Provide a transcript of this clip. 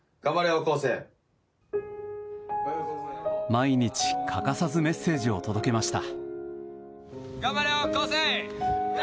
毎日欠かさずメッセージを届けました。